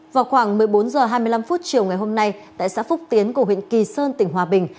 vào khoảng một mươi bốn h hai mươi năm chiều ngày hôm nay tại xã phúc tiến của huyện kỳ sơn tỉnh hòa bình